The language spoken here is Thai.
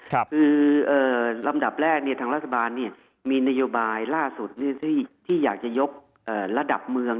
คือลำดับแรกทางรัฐบาลมีนโยบายล่าสุดที่อยากจะยกระดับเมือง